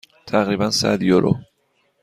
تقریبا صد یورو.